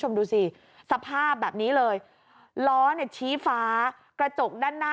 คุณผู้ชมดูสิสภาพแบบนี้เลยล้อเนี่ยชี้ฟ้ากระจกด้านหน้า